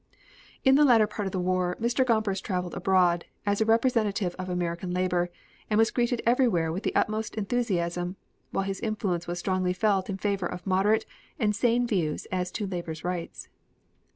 In the latter part of the war Mr. Gompers traveled abroad, as a representative of American labor, and was greeted everywhere with the utmost enthusiasm, while his influence was strongly felt in favor of moderate and sane views as to labor's rights.